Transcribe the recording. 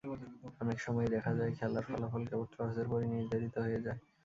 অনেক সময়ই দেখা যায় খেলার ফলাফল কেবল টসের পরই নির্ধারিত হয়ে যায়।